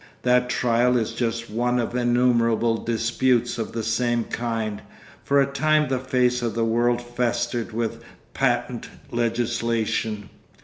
That trial is just one of innumerable disputes of the same kind. For a time the face of the world festered with patent legislation.